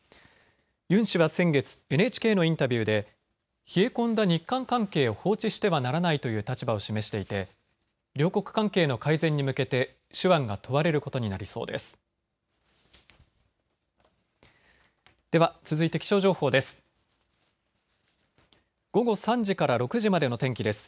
ユン氏は先月、ＮＨＫのインタビューで冷え込んだ日韓関係を放置してはならないという立場を示していて、両国関係の改善に向けて手腕が問われることになりそうです。